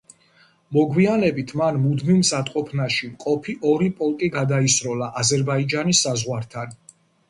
მოგვიანებით, მან მუდმივ მზადყოფნაში მყოფი ორი პოლკი გადაისროლა აზერბაიჯანის საზღვართან.